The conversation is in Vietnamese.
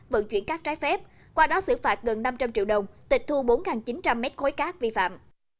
vận chuyển các trái phép qua đó xử phạt gần năm trăm linh triệu đồng tịch thu bốn chín trăm linh mét khối cát vi phạm